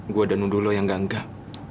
gue danudul lo yang ganggap